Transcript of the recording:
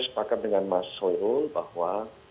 sepakat dengan mas hoirul bahwa